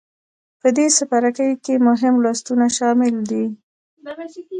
په دې څپرکې کې مهم لوستونه شامل دي.